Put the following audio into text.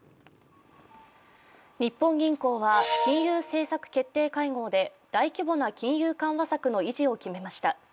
日本銀行は金融政策決定会合で大規模な金融緩和策の維持を決めました。